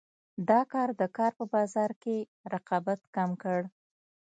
دا کار د کار په بازار کې رقابت کم کړ.